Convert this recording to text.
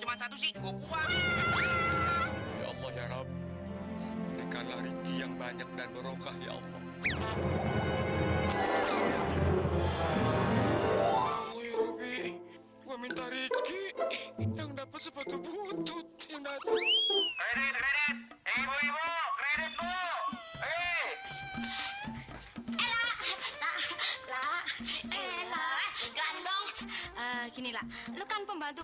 alhamdulillah halajim dah ngomong ngomong kasih doang muda nih